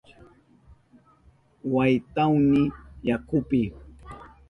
Waytahuni yakupi.